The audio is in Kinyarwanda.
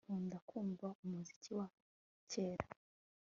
Nkunda kumva umuziki wa kera